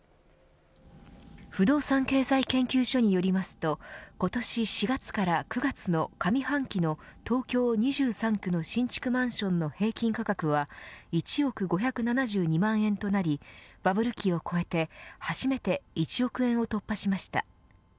不動産経済研究所によりますと今年４月から９月の上半期の東京２３区の新築マンションの平均価格は１億５７２万円となりバブル期を超えて初めて１億円を突破しました。